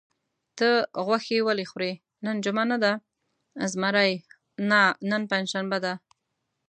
ته غوښې ولې خورې؟ نن جمعه نه ده؟ زمري: نه، نن پنجشنبه ده.